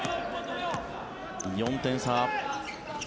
４点差。